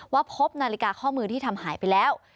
พบนาฬิกาข้อมือที่ทำหายไปแล้ว